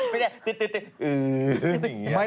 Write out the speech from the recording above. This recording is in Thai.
ไม่ใช่ติ๊ดอื้ออย่างนี้